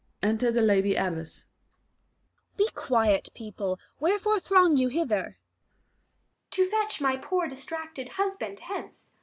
_ Enter the Lady Abbess. Abb. Be quiet, people. Wherefore throng you hither? Adr. To fetch my poor distracted husband hence.